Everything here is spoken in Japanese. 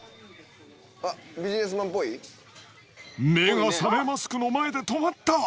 あっ、目が覚めマスクの前で止まった。